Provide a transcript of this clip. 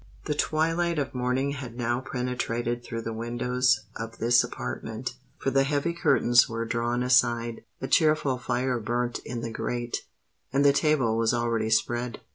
The twilight of morning had now penetrated through the windows of this apartment; for the heavy curtains were drawn aside, a cheerful fire burnt in the grate, and the table was already spread.